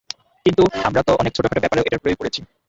কিন্তু আমরা তো অনেক ছোটখাটো ব্যাপারেও এটার প্রয়োগ করেছি।